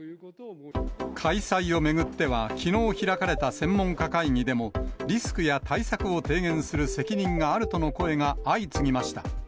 開催を巡っては、きのう開かれた専門家会議でも、リスクや対策を提言する責任があるとの声が相次ぎました。